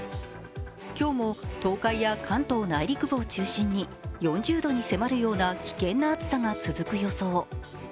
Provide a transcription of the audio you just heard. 今日も東海や関東内陸部を中心に４０度に迫るような危険な暑さが続く予想。